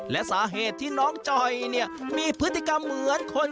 และสาเหตุที่น้องจอยเนี่ยมีพฤติกรรมเหมือนคน